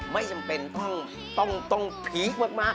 ไม่จำเป็นต้องพีคมาก